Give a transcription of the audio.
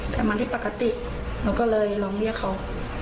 แต่มันที่ปกติหนูก็เลยลองเรียกเขา